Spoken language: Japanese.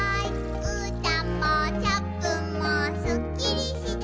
「うーたんもチャップンもスッキリして」